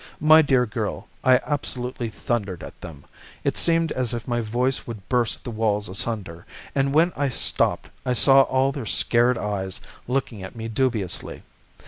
My dear girl, I absolutely thundered at them. It seemed as if my voice would burst the walls asunder, and when I stopped I saw all their scared eyes looking at me dubiously.